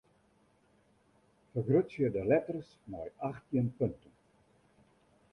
Fergrutsje de letters mei achttjin punten.